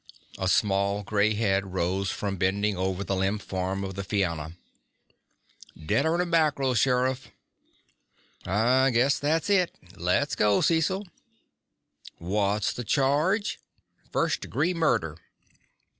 A small gray head rose from bending over the limp form of the Fianna. "Deader'n a mackerel, Sheriff." "I guess that's it. Let's go, Cecil." "What's the charge?" "First degree murder."